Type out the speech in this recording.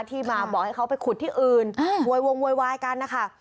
ที่มาบอกให้เขาไปขุดที่อื่นโวยวงโวยวายกันนะคะ